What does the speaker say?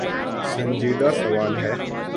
سنجیدہ سوال ہے۔